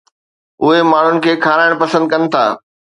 اهي ماڻهن کي کارائڻ پسند ڪن ٿا